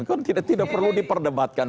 kan tidak perlu diperdebatkan